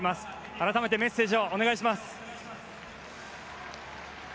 改めてメッセージをお願いします。